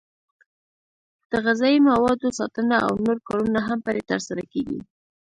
د غذایي موادو ساتنه او نور کارونه هم پرې ترسره کېږي.